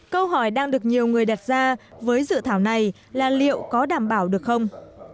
câu hỏi đang được nhiều người đặt ra với dự thảo này là liệu có đảm bảo được không